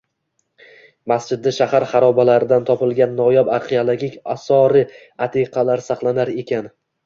Masjidda shahar xarobalaridan topilgan noyob arxeologik osori-atiqalar saqlanar ekan